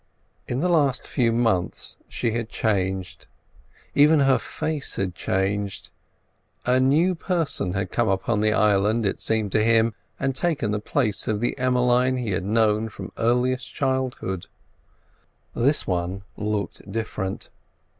In the last few months she had changed; even her face had changed. A new person had come upon the island, it seemed to him, and taken the place of the Emmeline he had known from earliest childhood. This one looked different.